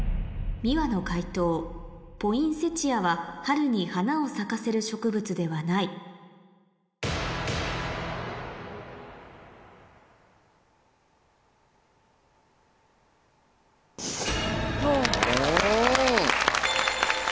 ｍｉｗａの解答ポインセチアは春に花を咲かせる植物ではないお。